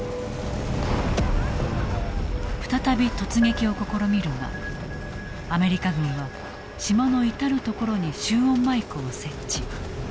再び突撃を試みるがアメリカ軍は島の至る所に集音マイクを設置。